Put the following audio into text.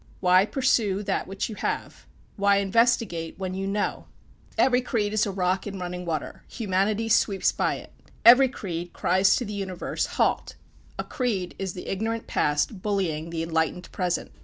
Why pursue that which you have? Why investigate when you know? Every creed is a rock in running water: humanity sweeps by it. Every creed cries to the universe, "Halt!" A creed is the ignorant Past bullying the enlightened Present.